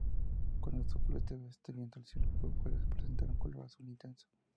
Cuando sopla este viento, el cielo suele presentar un color azul intenso.